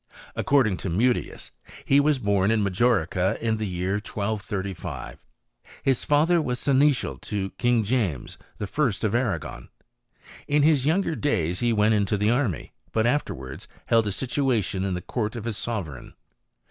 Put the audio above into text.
According to Mutius he was bom in Majorca in the year 1235. His father was seneschal to King James the First of Arragon, In his younger days he went into the army ; but afterwards held a situation in the court of his sove* reign.